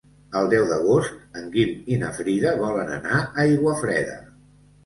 El deu d'agost en Guim i na Frida volen anar a Aiguafreda.